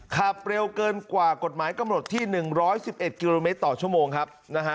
ขับเร็วเกินกว่ากฎหมายกำหนดที่๑๑๑กิโลเมตรต่อชั่วโมงครับ